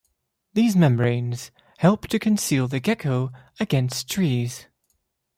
These membranes help to conceal the gecko against trees.